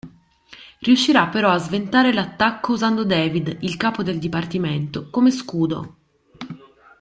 Riuscirà però a sventare l'attacco usando David, il capo del Dipartimento, come scudo.